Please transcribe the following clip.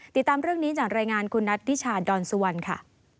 ติดตามเรื่องนี้จากรายงานคุณนัทธิชาดอนสุวรรณค่ะ